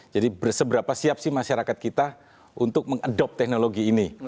jadi berseberapa siap sih masyarakat kita untuk mengadopt teknologi ini